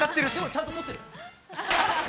ちゃんととってる。